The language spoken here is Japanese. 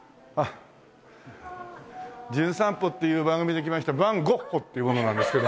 『じゅん散歩』っていう番組で来ましたファン・ゴッホっていう者なんですけど。